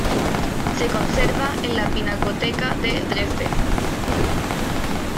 Se conserva en la pinacoteca de Dresde.